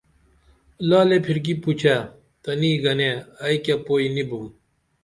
لعلے پھرکی پوچئے تنے گنے ائی کیہ پوئی نی بُم